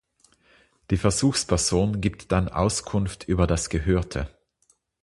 Die Versuchsperson gibt dann Auskunft über das Gehörte.